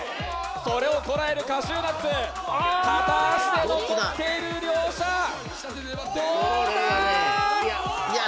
それをこらえるカシューナッツ片足で残っている両者どうだ！？